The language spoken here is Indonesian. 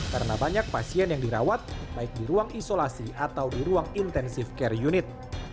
karena banyak pasien yang dirawat baik di ruang isolasi atau di ruang intensif care unit